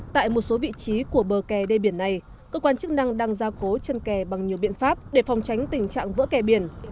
tại một số vị trí của bờ kè đê biển này cơ quan chức năng đang gia cố chân kè bằng nhiều biện pháp để phòng tránh tình trạng vỡ kè biển